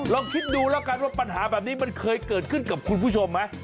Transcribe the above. ลองคิดดูแล้วกันว่าปัญหาแบบนี้มันเคยเกิดขึ้นกับคุณผู้ชมไหม